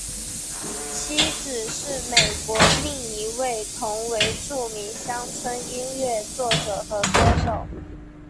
妻子是美国另一位同为著名乡村音乐作者和歌手。